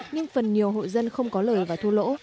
nhưng phần nhiều hộ dân không có lời và thu lỗ